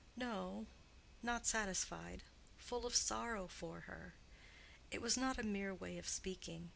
"No, not satisfied—full of sorrow for her. It was not a mere way of speaking.